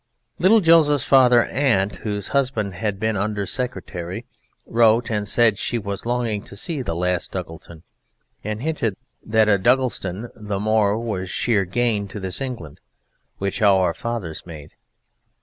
Little Joseph's father's aunt whose husband had been the Under Secretary, wrote and said she was longing to see the last Duggleton, and hinted that a Duggleton the more was sheer gain to This England which Our Fathers Made.